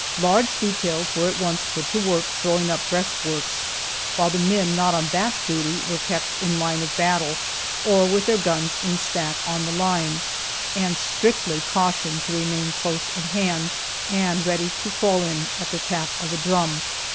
Large details were at once put to work throwing up breast works, while the men not on that duty were kept in line of battle, or with their guns in stack on the line, and strictly cautioned to remain close at hand, and ready to fall in at the tap of a drum.